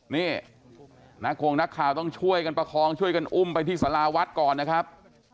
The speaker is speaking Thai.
นี่นักคงนักข่าวต้องช่วยกันประคองช่วยกันอุ้มไปที่สาราวัดก่อนนะครับ